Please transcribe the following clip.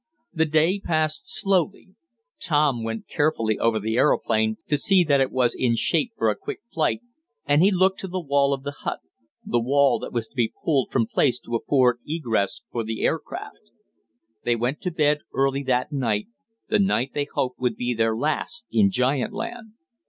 The day passed slowly. Tom went carefully over the aeroplane, to see that it was in shape for a quick flight, and he looked to the wall of the hut the wall that was to be pulled from place to afford egress for the air craft. They went to bed early that night the night they hoped would be their last in giant land.